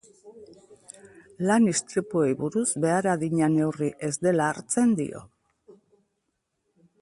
Lan instripuei buruz, behar adina neurri ez dela hartzen dio.